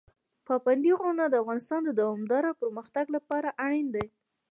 پابندی غرونه د افغانستان د دوامداره پرمختګ لپاره اړین دي.